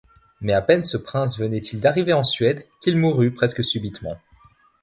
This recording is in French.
Mais à peine ce prince venait-il d'arriver en Suède, qu'il mourut presque subitement.